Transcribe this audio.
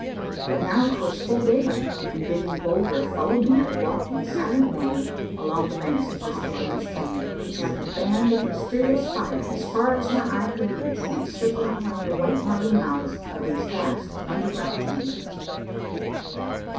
But now 'twas full daylight, and bidding Bulger follow me I walked in silent won der along the banks of this glowing stream, which, like a band of mysterious fire, as far as my eye could reach went circling around the white marble mouths of these vast underground chambers.